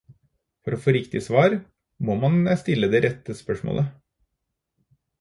For å få riktig svar, må man stille det rette spørsmålet.